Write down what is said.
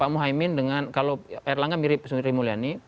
pak muhaymin dengan kalau erlangga mirip sri mulyani